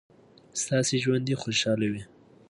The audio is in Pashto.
ستاسو ژوند دې خوشحاله وي.